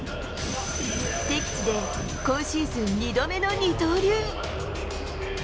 敵地で今シーズン２度目の二刀流。